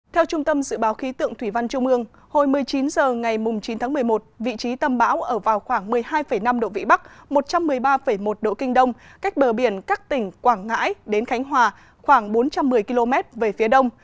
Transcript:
theo trung tâm dự báo khí tượng thủy văn trung ương hồi một mươi chín h ngày chín tháng một mươi một vị trí tâm bão ở vào khoảng một mươi hai năm độ vĩ bắc một trăm một mươi ba một độ kinh đông cách bờ biển các tỉnh quảng ngãi đến khánh hòa khoảng bốn trăm một mươi km về phía đông